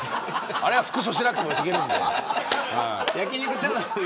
あれはスクショしなくても行けるんで。